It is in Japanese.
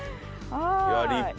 いや立派。